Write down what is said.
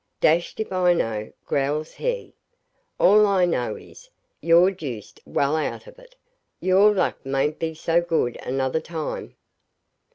'Dashed if I know,' growls he. 'All I know is, you're deuced well out of it; your luck mayn't be so good another time.'